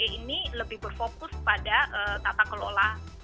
berfokus pada tata kelola